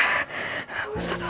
tuh tuh papa